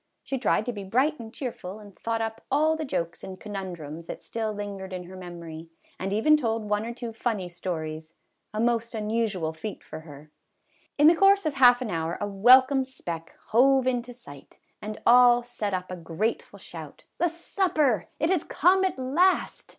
She tried to be bright and cheerful, and thought up all the jokes and conundrums that still lingered in her memory, and even told one or two funny stories, a most un usual feat for her. In the course of half an hour a welcome speck " hove into sight," and all set up a grateful shout, " The supper ! It has come at last."